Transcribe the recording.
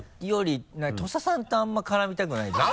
何か土佐さんとあんまり絡みたくないというか。